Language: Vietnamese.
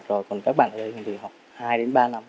rồi còn các bạn ở đây thì học hai đến ba năm